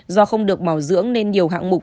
do không được bảo dưỡng nên nhiều hạng mục